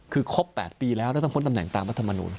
คือครบ๘ปีแล้วแล้วต้องพ้นตำแหน่งตามรัฐมนุน